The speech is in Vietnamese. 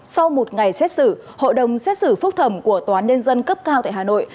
sau một ngày xét xử hội đồng xét xử phúc thẩm của tòa nhân dân cấp cao tại hà nội